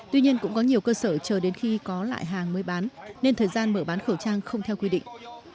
tuy nhiên cũng có nhiều cơ sở chờ đến khi có lại hàng mới bán nên thời gian mở bán khẩu trang không theo quy định